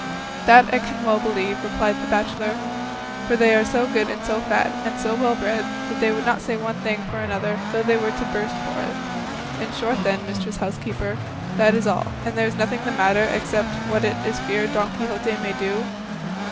"That I can well believe," replied the bachelor, "for they are so good and so fat, and so well bred, that they would not say one thing for another, though they were to burst for it. In short then, mistress housekeeper, that is all, and there is nothing the matter, except what it is feared Don Quixote may do?"